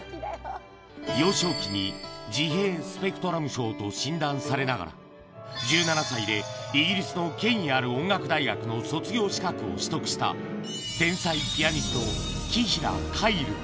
幼少期に自閉スペクトラム症と診断されながら、１７歳でイギリスの権威ある音楽大学の卒業資格を取得した天才ピアニスト、紀平凱成。